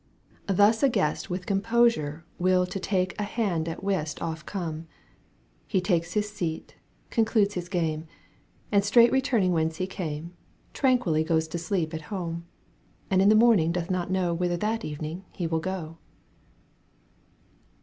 Thus a guest with composure will To take a hand at whist oft come : He takes his seat, concludes his game. And straight returning whence he came, Tranquilly goes to sleep at home, And in the morning doth not know Whither that evening he will go.